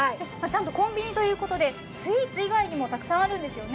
コンビニということでスイーツ以外にもたくさんあるんですよね。